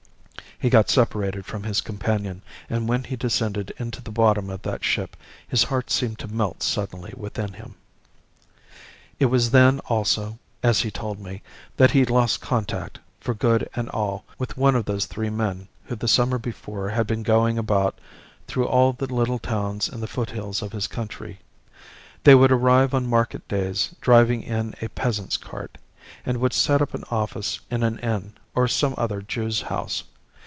He got separated from his companion, and when he descended into the bottom of that ship his heart seemed to melt suddenly within him. "It was then also, as he told me, that he lost contact for good and all with one of those three men who the summer before had been going about through all the little towns in the foothills of his country. They would arrive on market days driving in a peasant's cart, and would set up an office in an inn or some other Jew's house.